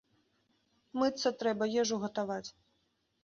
Мыцца трэба, ежу гатаваць.